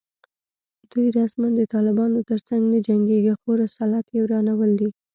دوی رسماً د طالبانو تر څنګ نه جنګېږي خو رسالت یې ورانول دي